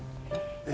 え！